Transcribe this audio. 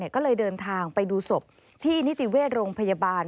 ก็เลยเดินทางไปดูศพที่นิติเวชโรงพยาบาล